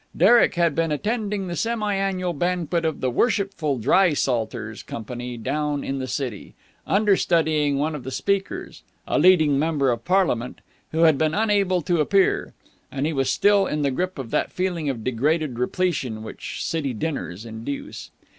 Derek had been attending the semi annual banquet of the Worshipful Dry Salters Company down in the City, understudying one of the speakers, a leading member of Parliament, who had been unable to appear; and he was still in the grip of that feeling of degraded repletion which City dinners induce.